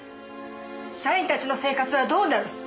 「社員たちの生活はどうなる？」